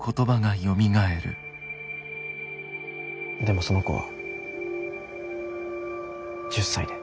でもその子は１０才で。